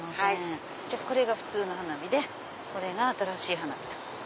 これが普通の花火でこれが新しい花火。